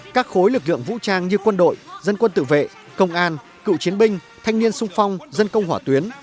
các khối lực lượng vũ trang như quân đội dân quân tự vệ công an cựu chiến binh thanh niên sung phong dân công hỏa tuyến